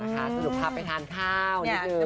มาชื่นดูข้าไปทานข้าวนิดนึง